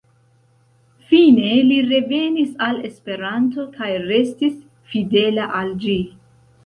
Fine, li revenis al Esperanto kaj restis fidela al ĝi.